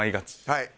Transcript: はい。